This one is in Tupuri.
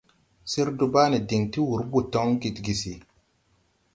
Sir Dubane diŋ ti wur botoŋ Gidigisi.